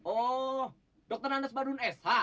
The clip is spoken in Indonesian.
oh dr nandas badrun s ha